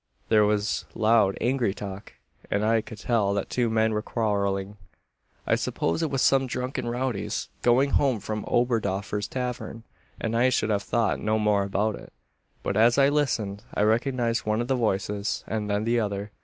There was loud angry talk; and I could tell that two men were quarrelling. "I supposed it was some drunken rowdies, going home from Oberdoffer's tavern, and I should have thought no more about it. But as I listened, I recognised one of the voices; and then the other.